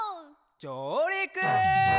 じょうりく！